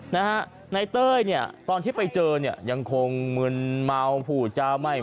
นายเต้ยเนี่ยตอนที่ไปเจอเนี่ยยังคงมึนเมาผูจาไม่